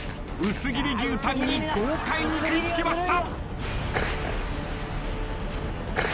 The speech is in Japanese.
薄切り牛タンに豪快に食い付きました。